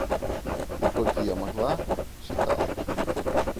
І колькі я магла, чытала.